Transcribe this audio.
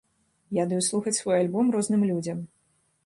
Я даю слухаць свой альбом розным людзям.